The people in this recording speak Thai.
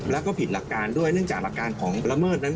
แล้วก็ผิดหลักการด้วยเนื่องจากหลักการของละเมิดนั้น